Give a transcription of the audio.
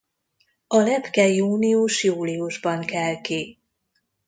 A lepke június–júliusban kel ki.